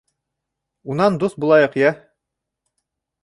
Унан дуҫ булайыҡ, йә?!